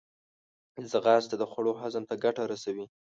ځغاسته د خوړو هضم ته ګټه رسوي